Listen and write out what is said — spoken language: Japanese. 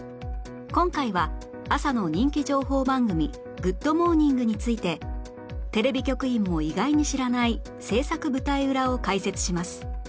今回は朝の人気情報番組『グッド！モーニング』についてテレビ局員も意外に知らない制作舞台裏を解説します